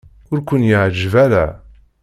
Ur ken-iɛejjeb ara.